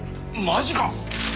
マジか！？